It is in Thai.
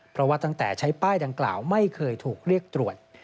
เพราะว่าตั้งแต่ใช้ป้ายดังกล่าวไม่เคยถูกเรียกตรวจ